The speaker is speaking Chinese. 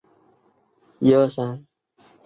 明治时代在此设立陆军省。